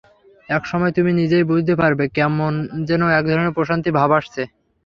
একসময় তুমি নিজেই বুঝতে পারবে, কেমন যেন একধরনের প্রশান্তি ভাব আসছে।